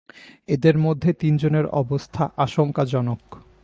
এঁদের মধ্যে তিনজনের অবস্থা আশঙ্কাজনক।